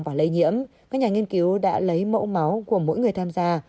và lây nhiễm các nhà nghiên cứu đã lấy mẫu máu của mỗi người tham gia